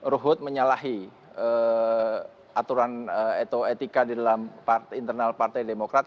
ruhut menyalahi aturan atau etika di dalam internal partai demokrat